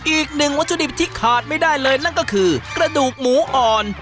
อีกหนึ่งวัตถุดิบที่ขาดไม่ได้เลยนั่นก็คือกระดูกหมูอ่อน